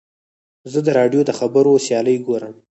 زه د راډیو د خبرو سیالۍ ګورم.